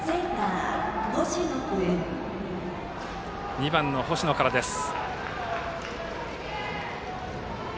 ２番、星野からです。